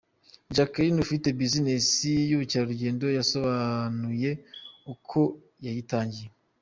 Jacqueline ufite business y'ubukerarugendo yasobanuye uko yayitangiye.